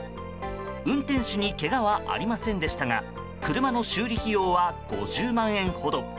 運転手にけがはありませんでしたが車の修理費用は５０万円ほど。